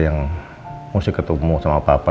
yang mesti ketemu sama papa